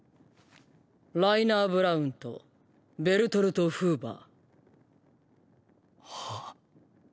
ライナー・ブラウンとベルトルト・フーバー。は？